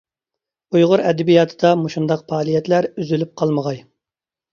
ئۇيغۇر ئەدەبىياتىدا مۇشۇنداق پائالىيەتلەر ئۈزۈلۈپ قالمىغاي.